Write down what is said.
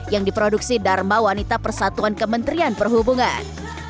yang diproduksi dharma wanita persatuan kementerian perhubungan